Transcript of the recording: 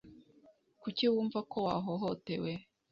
Kuki wumva ko wahohotewe